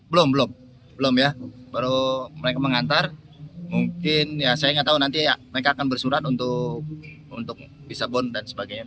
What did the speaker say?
belum belum belum ya baru mereka mengantar mungkin ya saya nggak tahu nanti mereka akan bersurat untuk bisa bon dan sebagainya